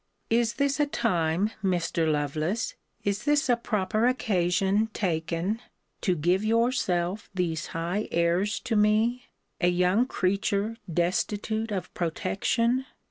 Is this a time, Mr. Lovelace, is this a proper occasion taken, to give yourself these high airs to me, a young creature destitute of protection?